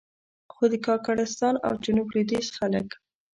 خو د کاکړستان او جنوب لوېدیځ خلک.